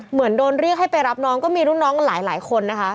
เหมือนโดนเรียกให้ไปรับน้องก็มีรุ่นน้องหลายคนนะคะ